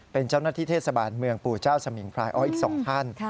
เป็นเจ้าหน้าที่เทศบาลเมืองปู่เจ้าสมิงพรายอ้อยอีก๒ท่าน